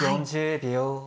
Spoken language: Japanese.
４０秒。